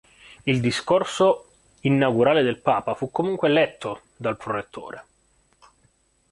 Il discorso inaugurale del papa fu comunque letto dal prorettore.